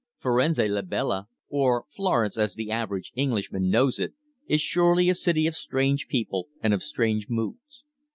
Firenze la Bella or Florence as the average Englishman knows it is surely a city of strange people and of strange moods.